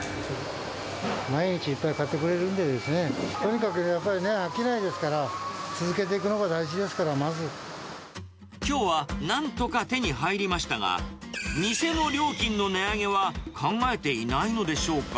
毎日いっぱい買ってくれるんでね、とにかくやっぱりね、商いですから、続けていくのが大きょうはなんとか手に入りましたが、店の料金の値上げは考えていないのでしょうか。